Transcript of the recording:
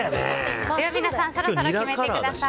では皆さんそろそろ決めてください。